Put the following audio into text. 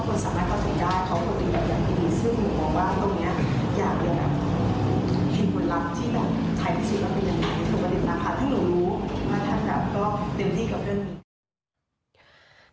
ก็เป็นประเด็นน่าค่ะเพราะผมรู้แม่นท่านฆาตก็เต็มที่กับเรื่องนี้